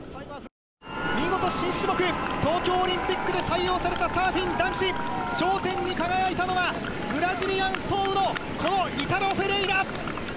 見事、新種目東京オリンピックで採用されたサーフィン男子頂点に輝いたのはブラジルのイタロ・フェレイラ！